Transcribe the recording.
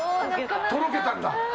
とろけたんだ。